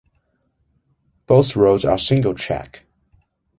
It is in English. Both roads are single track.